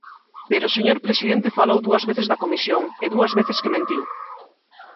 Pero o señor presidente falou dúas veces da comisión, e dúas veces que mentiu.